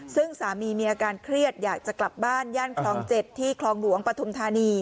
ซึ่งสามีมีอาการเครียดอยากจะกลับบ้านย่านคลอง๗ที่คลองหลวงปฐุมธานี